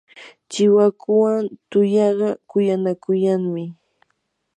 chiwakuwan tuyaqa kuyanakuyanmi.